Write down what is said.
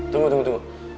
tunggu tunggu tunggu